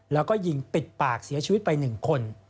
แล้วก็ยิงปิดปากเสียชีวิตไป๑คน